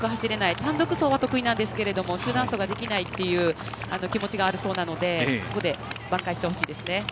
単独走は得意なんですが集団走ができないという気持ちがあるそうなのでここで挽回してほしいですね。